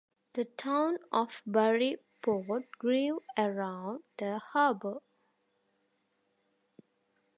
The town of Burry Port grew around the harbour.